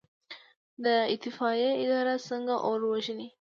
د اطفائیې اداره څنګه اور وژني؟